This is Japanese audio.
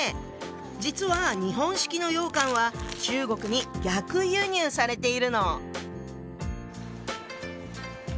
実は日本式の羊羹は中国に逆輸入されているの。